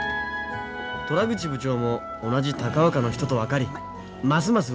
虎口部長も同じ高岡の人と分かりますます